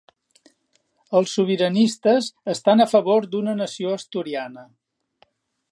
Els sobiranistes estan a favor d'una Nació Asturiana